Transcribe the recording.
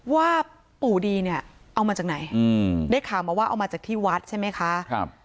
ว่าปู่ดีเนี่ยเอามาจากไหนได้ข่าวมาว่าเอามาจากที่วัดใช่ไหมคะ